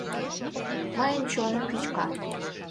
Мыйын чоным вÿчка.